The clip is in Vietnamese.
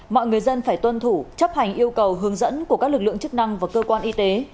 mọi người dân phải tuân thủ chấp hành yêu cầu hướng dẫn của các lực lượng chức năng và cơ quan y tế